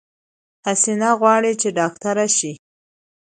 حسينه غواړی چې ډاکټره شی